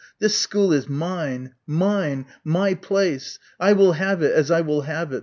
This school is mine. Mine! My place! I will have it as I will have it.